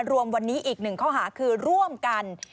รวมวันนี้อีกหนึ่งข้อหาคือร่วมกัน